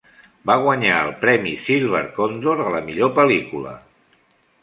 Va guanyar el premi Silver Condor a la millor pel·lícula.